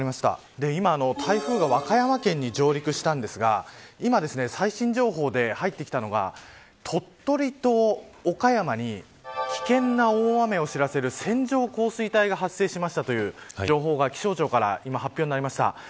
今、台風が和歌山県に上陸したんですが今、最新情報で入ってきたのが鳥取と岡山に危険な大雨を知らせる線状降水帯が発生しましたという情報が気象庁から今、発表になりました。